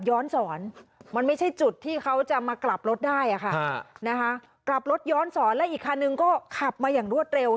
ย้อนสอนมันไม่ใช่จุดที่เขาจะมากลับรถได้ค่ะนะคะกลับรถย้อนสอนและอีกคันนึงก็ขับมาอย่างรวดเร็ว